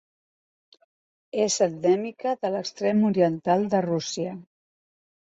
És endèmica de l'extrem oriental de Rússia.